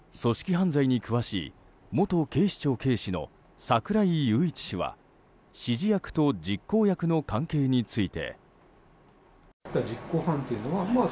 組織犯罪に詳しい元警視庁警視の櫻井裕一氏は指示役と実行役の関係について。